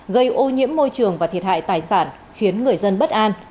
gây ô nhiễm môi trường và thiệt hại tài sản khiến người dân bất an